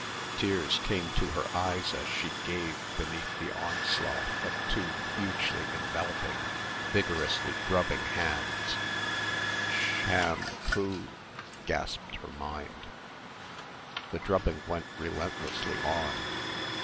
Tears came to her eyes as she gave beneath the onslaught of two hugely enveloping, vigorously drubbing hands "sh ham poo" gasped her mind. The drubbing went relentlessly on.